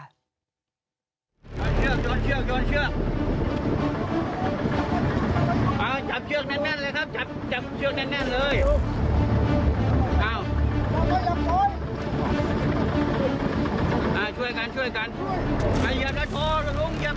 โยนเชือกโยนเชือก